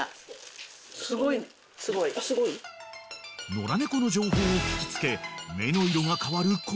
［野良猫の情報を聞き付け目の色が変わる子供たち］